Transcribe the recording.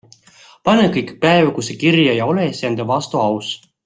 Pane kõik päevikusse kirja ja ole iseenda vastu aus.